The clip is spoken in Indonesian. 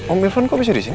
om irfan kenapa bisa di sini